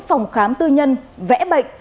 phòng khám tư nhân vẽ bệnh